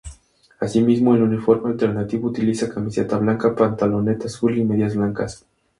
Así mismo el uniforme alternativo utiliza camiseta blanca, pantaloneta azul y medias blancas.